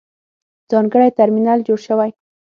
ځانګړی ترمینل جوړ شوی.